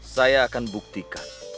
saya akan buktikan